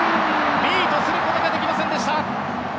ミートすることができませんでした。